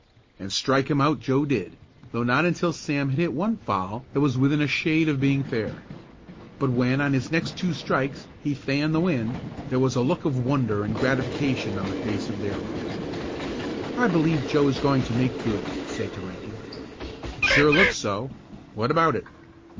And strike him out Joe did, though not until after Sam had hit one foul that was within a shade of being fair. But when on his next two strikes he fanned the wind, there was a look of wonder and gratification on the face of Darrell. "I believe Joe is going to make good," he said to Rankin. "It sure looks so. What about it?"